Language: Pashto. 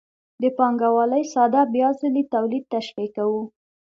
د پانګوالۍ ساده بیا ځلي تولید تشریح کوو